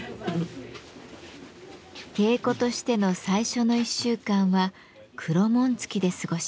芸妓としての最初の１週間は黒紋付きで過ごします。